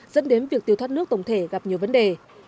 dẫn đến việc tiêu thoát nước tổng thể gặp nhiều vấn đề